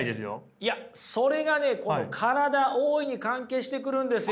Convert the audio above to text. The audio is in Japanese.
いやそれがね体大いに関係してくるんですよ。